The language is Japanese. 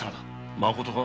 まことか？